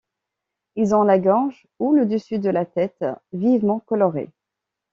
Ils ont la gorge ou le dessus de la tête vivement colorés.